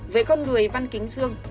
về con người văn kính dương